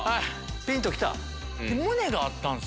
ピンと来た？